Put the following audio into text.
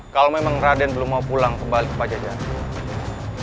kalau memang raden belum mau pulang kembali ke pajajaran